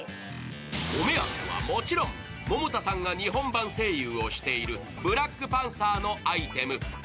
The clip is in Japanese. お目当てはもちろん百田さんが日本版声優をしている「ブラックパンサー」のアイテム。